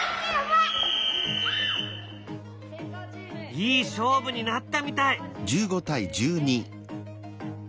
いい勝負になったみたい！